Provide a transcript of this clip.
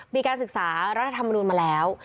มีการศึกษารัฐธรรมนูลมาแล้ว